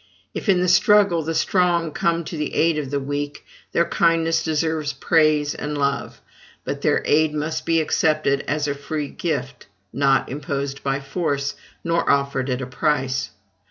If, in the struggle, the strong come to the aid of the weak, their kindness deserves praise and love; but their aid must be accepted as a free gift, not imposed by force, nor offered at a price.